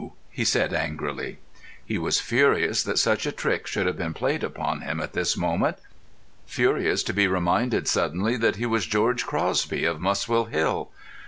he said angrily. He was furious that such a trick should have been played upon him at this moment; furious to be reminded suddenly that he was George Crosby of Muswell Hill.